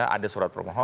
ada surat promohonan